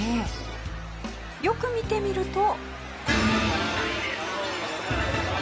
よく見てみると。